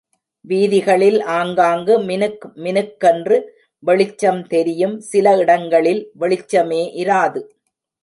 வீதிகளில் ஆங்காங்கு மினுக் மினுக் கென்று வெளிச்சம் தெரியும், சில இடங்களில் வெளிச்சமே இராது.